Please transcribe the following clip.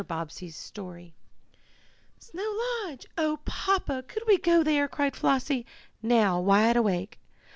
BOBBSEY'S STORY "Snow Lodge! Oh, Papa, could we go there?" cried Flossie, now wide awake.